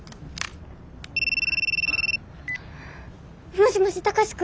もしもし貴司君！？